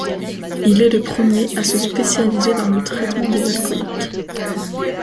Il est le premier à se spécialiser dans le traitement des alcooliques.